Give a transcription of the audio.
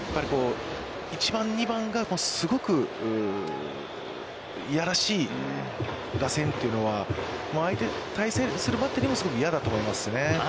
１番、２番がすごくやらしい打線というのは対戦するバッテリーも嫌だと思いますね。